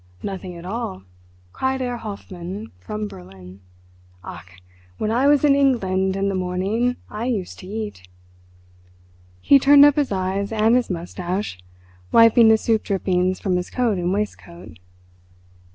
"Nothing at all," cried Herr Hoffmann from Berlin. "Ach, when I was in England in the morning I used to eat." He turned up his eyes and his moustache, wiping the soup drippings from his coat and waistcoat.